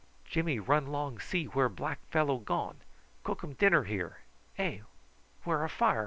"Jimmy run long see where black fellow gone. Cookum dinner here. Eh! whar a fire?"